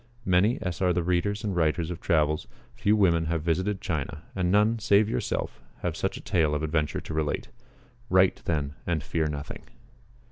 Many as are the readers and writers of travels, few women have visited China, and none, save yourself, have such a tale of adventure to relate. Write, then, and fear nothing."